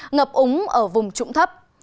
ngập úng ở vùng trụng thấp